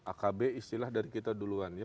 akb istilah dari kita duluan ya